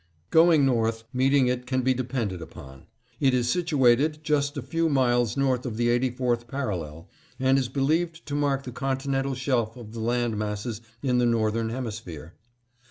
Going north, meeting it can be depended upon. It is situated just a few miles north of the 84th parallel, and is believed to mark the continental shelf of the land masses in the Northern Hemisphere.